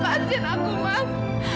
masin aku mas